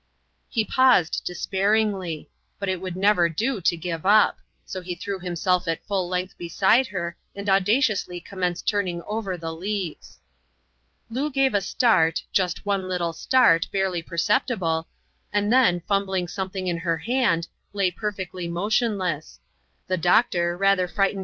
He paused despairingly ; but it would never do to give up ; so he threw himself at full length beside h^, and audaciously eommenced turning over the leaves. Loo gave a start, just one little start, hardy perceptil^e^ and ifeen fiimbling something in \i«t \ia3aSL,\%:j ^t^r^ xaotkxdess ; the doctor rather frightened «X\i\%oi?